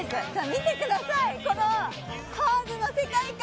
見てくださいこのカーズの世界観